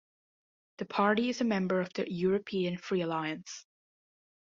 The party is a member of the European Free Alliance.